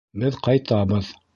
Беҙ ҡайтабыҙ.